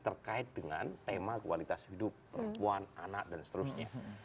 terkait dengan tema kualitas hidup perempuan anak dan seterusnya